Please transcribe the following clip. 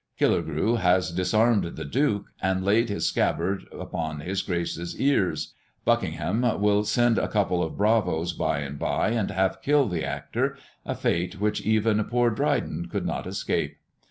Killigrew has disarmed the duke, and laid his scabbard about his grace's ears. Buckingham will send a couple of bravos by and bye, and half kill the actor a fate which even poor Dryden could not escape.